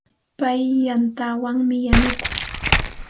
Pay yantawanmi yanukun.